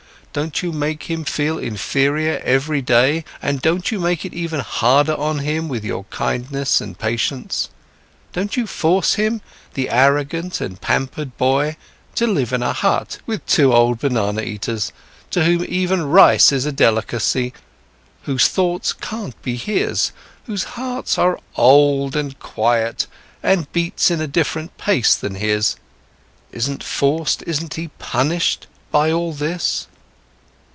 Don't you make him feel inferior every day, and don't you make it even harder on him with your kindness and patience? Don't you force him, the arrogant and pampered boy, to live in a hut with two old banana eaters, to whom even rice is a delicacy, whose thoughts can't be his, whose hearts are old and quiet and beat in a different pace than his? Isn't he forced, isn't he punished by all this?"